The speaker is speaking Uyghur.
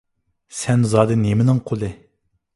سەن زادى نېمىنىڭ قۇلى؟